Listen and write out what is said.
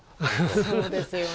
そうですよね。